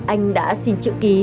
anh đã xin chữ ký